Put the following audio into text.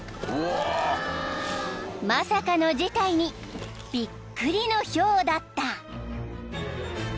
［まさかの事態にびっくりのヒョウだった］